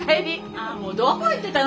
あもうどこ行ってたの？